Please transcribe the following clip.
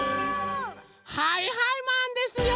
はいはいマンですよ！